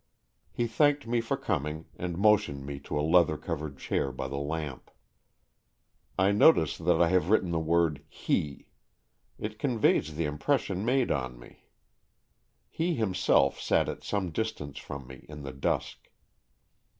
He thanked me for coming, and motioned me to a leather covered chair by the lamp. I notice that I have written the word '' he "— it conveys the impression made on me. He himself sat at some distance from me, in the dusk.